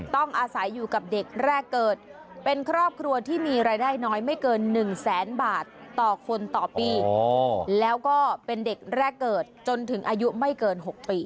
ต้องอาศัยอยู่กับเด็กแรกเกิดเป็นครอบครัวที่มีรายได้น้อยไม่เกิน๑แสนบาทต่อคนต่อปีแล้วก็เป็นเด็กแรกเกิดจนถึงอายุไม่เกิน๖ปี